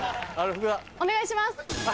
お願いします。